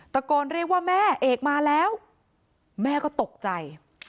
ตะโกนเรียกว่าแม่เอกมาแล้วแม่ก็ตกใจ